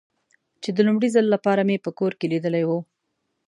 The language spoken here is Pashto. چې د لومړي ځل له پاره مې په کور کې لیدلی و.